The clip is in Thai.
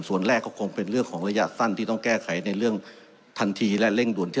ส่วนแรกก็คงเป็นเรื่องของระยะสั้นที่ต้องแก้ไขในเรื่องทันทีและเร่งด่วน